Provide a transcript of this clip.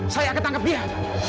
saya akan tangkap dia